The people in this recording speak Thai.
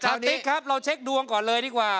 ติ๊กครับเราเช็คดวงก่อนเลยดีกว่า